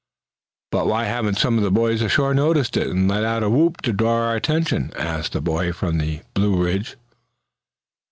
"But why haven't some of the boys ashore noticed it, and let out a whoop to draw our attention?" asked the boy from the Blue Ridge.